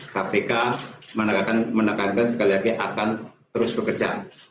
kpk menekankan sekali lagi akan terus bekerja